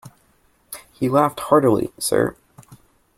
He laughed heartily, sir.